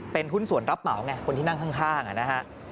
เป็นหุ้นส่วนรับเหมาไงคนที่นั่งข้างนะฮะ